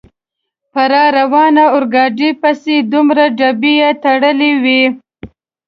په را روانې اورګاډي پسې دومره ډبې تړلې وې.